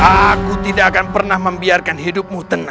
aku tidak akan pernah membiarkan hidupmu tenang